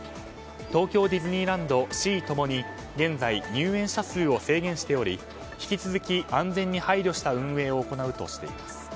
東京ディズニーランド、シー共に現在、入園者数を制限しており引き続き、安全に配慮した運営を行うとしています。